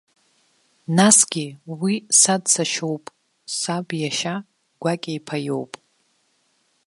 Насгьы уи са дсашьоуп, саб иашьа гәакьа иԥа иоуп.